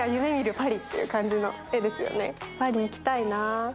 パリ行きたいな。